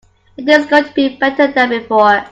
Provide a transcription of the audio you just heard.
It is going to be better than before.